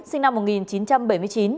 sinh năm một nghìn chín trăm bảy mươi chín